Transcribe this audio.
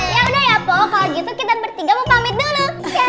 yaudah ya pok kalau gitu kita bertiga mau pamit dulu